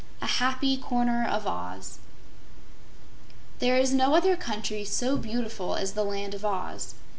A Happy Corner of Oz There is no other country so beautiful as the Land of Oz.